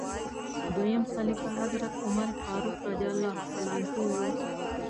دویم خلیفه حضرت عمر فاروق رض و.